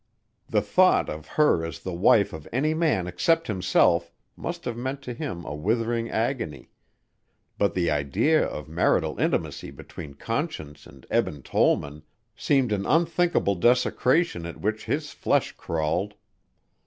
The thought of her as the wife of any man except himself must have meant to him a withering agony but the idea of marital intimacy between Conscience and Eben Tollman, seemed an unthinkable desecration at which his flesh crawled.